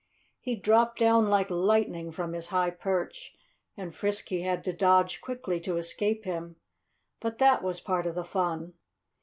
He dropped down like lightning from his high perch, and Frisky had to dodge quickly to escape him; but that was part of the fun.